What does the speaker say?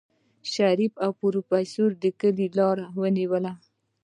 شريف او پروفيسر د کلي لار ونيوله.